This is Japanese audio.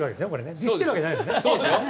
ディスってるわけじゃないですよね。